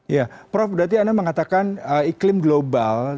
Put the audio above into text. ya prof berarti anda mengatakan iklim global